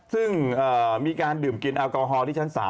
ซึ่งมีการดื่มกินแอลกอฮอล์ที่ชั้น๓